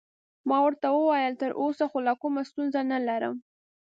ما ورته وویل: تراوسه خو لا کومه ستونزه نلرم.